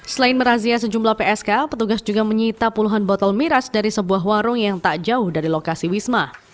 selain merazia sejumlah psk petugas juga menyita puluhan botol miras dari sebuah warung yang tak jauh dari lokasi wisma